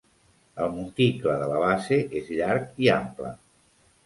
El monticle de la base és llarg i ample.